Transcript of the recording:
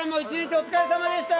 お疲れさまでした！